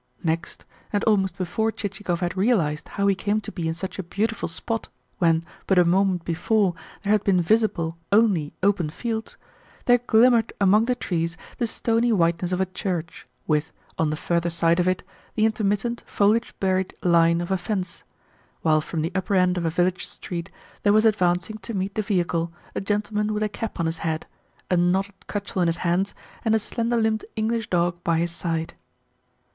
Next (and almost before Chichikov had realised how he came to be in such a beautiful spot when, but a moment before, there had been visible only open fields) there glimmered among the trees the stony whiteness of a church, with, on the further side of it, the intermittent, foliage buried line of a fence; while from the upper end of a village street there was advancing to meet the vehicle a gentleman with a cap on his head, a knotted cudgel in his hands, and a slender limbed English dog by his side.